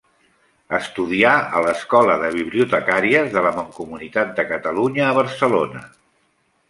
Estudià a l'Escola de Bibliotecàries de la Mancomunitat de Catalunya a Barcelona.